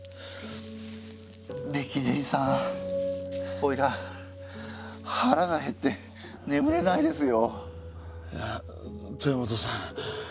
おいら腹が減ってねむれないですよ。